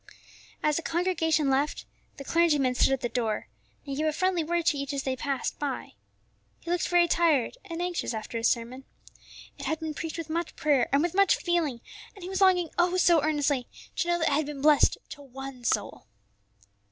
As the congregation left, the clergyman stood at the door, and gave a friendly word to each one as they passed by. He looked very tired and anxious after his sermon. It had been preached with much prayer and with much feeling, and he was longing, oh, so earnestly, to know that it had been blessed to one soul.